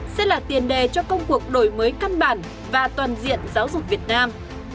sẽ là tiền đề cho công cuộc đổi mới căn bản và toàn diện giáo dục việt nam